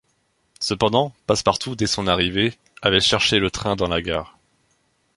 Cependant Passepartout, dès son arrivée, avait cherché le train dans la gare.